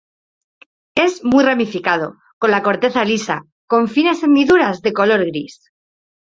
Es muy ramificado, con la corteza lisa, con finas hendiduras de color gris.